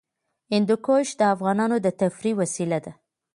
هندوکش د افغانانو د تفریح وسیله ده.